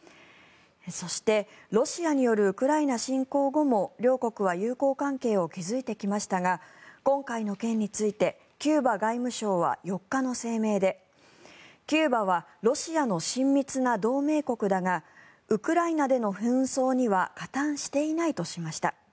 そしてロシアによるウクライナ侵攻後も両国は友好関係を築いてきましたが今回の件についてキューバ外務省は４日の声明でキューバはロシアの親密な同盟国だがウクライナでの紛争には加担していないとしました。